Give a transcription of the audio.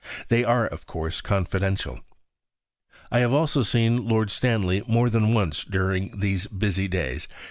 They are, of course, confidential. I have also seen Lord Stanley more than once during these busy days.